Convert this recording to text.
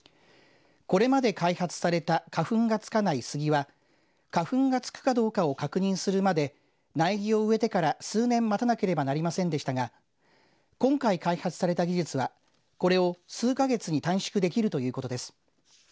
これまで開発された花粉がつかないスギは花粉がつくかどうかを確認するまで苗木を植えてから数年待たなければなりませんでしたが今回開発された技術はこれを数か月に短縮できるということです。